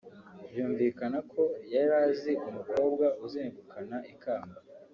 byumvikana ko yari azi umukobwa uzegukana ikamba